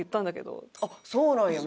「あっそうなんや。